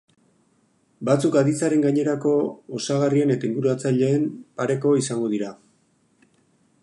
Batzuk aditzaren gainerako osagarrien eta inguratzaileen pareko izango dira.